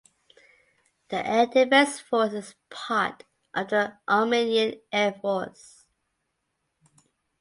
The Air Defence Force is part of the Armenian Air Force.